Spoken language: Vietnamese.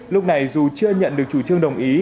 lúc này dù chưa nhận được chủ trương đồng ý